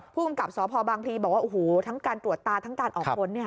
ผู้กำกับสพบางพลีบอกว่าโอ้โหทั้งการตรวจตาทั้งการออกค้น